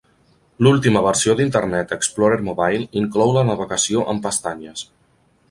L'última versió d'Internet Explorer Mobile inclou la navegació amb pestanyes.